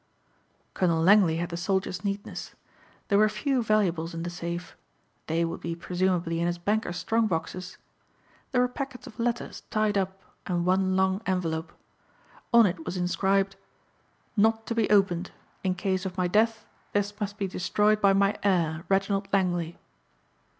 Colonel Langley had the soldiers' neatness. There were few valuables in the safe. They would be presumably in his banker's strong boxes. There were packets of letters tied up and one long envelope. On it was inscribed, "Not to be Opened. In case of my death this must be destroyed by my heir, Reginald Langley."